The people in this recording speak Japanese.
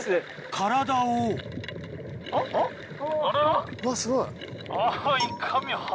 体をうわすごい。